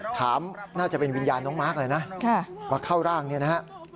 น่าจะเป็นวิญญาณน้องมาร์คเลยนะมาเข้าร่างเนี่ยนะฮะ